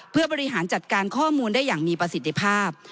เพื่อบริหารจัดการข้อมูลได้อย่างมีประสิทธิภาพ